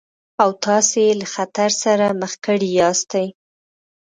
او تاسې يې له خطر سره مخ کړي ياستئ.